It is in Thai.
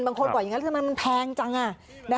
บางคนบอกอย่างนั้นทำไมมันแพงจัง